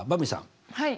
はい。